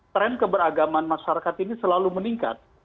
tren keberagaman masyarakat ini selalu meningkat